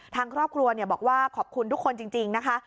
ทางครอบครัวบอกว่าขอบคุณทุกคนจริงนะคะ